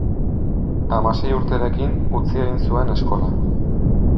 Hamasei urterekin utzi egin zuen eskola.